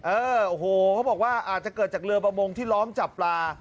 เออโอ้โหเขาบอกว่าอาจจะเกิดจากเรือประมงที่ล้อมจับปลา